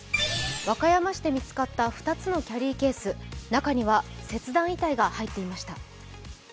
和歌山市で見つかった２つのキャリーケース、中には切断遺体が入っていました。